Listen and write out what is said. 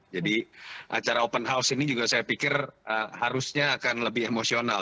jadi acara open house ini juga saya pikir harusnya akan lebih emosional